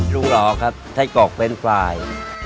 ลุงหลอครับใส้กรกเฟรนด์ฟราย